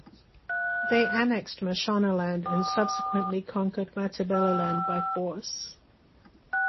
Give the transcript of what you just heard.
They annexed Mashonaland and subsequently conquered Matabeleland by force.